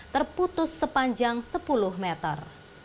terputus sepanjang sepuluh meter